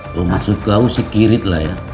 kalo maksud kau sih kirit lah ya